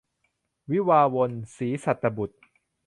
วิวาห์วน - ศรีสัตตบุษย์